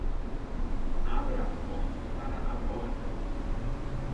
Abra a porta para a borda!